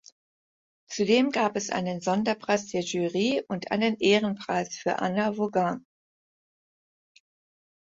Zudem gab es einen Sonderpreis der Jury und einen Ehrenpreis für Anna Vaughan.